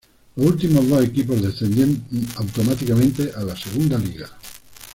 Los últimos dos equipos descienden automáticamente a la Segunda Liga.